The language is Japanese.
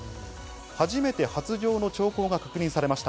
初めて発情の兆候が確認されました。